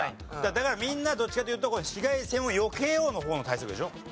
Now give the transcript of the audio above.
だからみんなどっちかというと紫外線をよけようの方の対策でしょ？